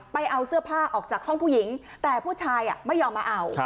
เอาเสื้อผ้าออกจากห้องผู้หญิงแต่ผู้ชายไม่ยอมมาเอา